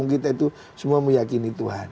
kita itu semua meyakini tuhan